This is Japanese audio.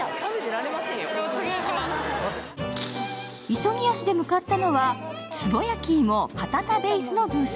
急ぎ足で向かったのは、壺焼き芋パタタベイスのブース。